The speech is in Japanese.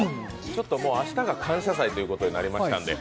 ちょっともう明日が「感謝祭」ということになりましたので